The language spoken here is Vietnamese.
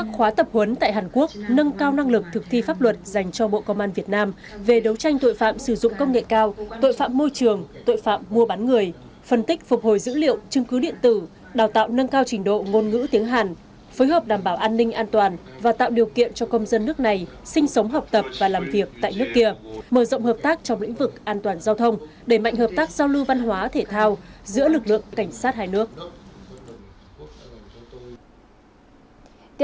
khóa tập huấn tại hàn quốc nâng cao năng lực thực thi pháp luật dành cho bộ công an việt nam về đấu tranh tội phạm sử dụng công nghệ cao tội phạm môi trường tội phạm mua bán người phân tích phục hồi dữ liệu chứng cứ điện tử đào tạo nâng cao trình độ ngôn ngữ tiếng hàn phối hợp đảm bảo an ninh an toàn và tạo điều kiện cho công dân nước này sinh sống học tập và làm việc tại nước kia mở rộng hợp tác trong lĩnh vực an toàn giao thông đẩy mạnh hợp tác giao lưu văn hóa thể thao giữa lực lượng cảnh sát hai